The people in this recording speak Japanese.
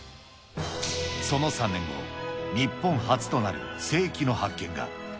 その３年後、日本初となる世紀の発見が。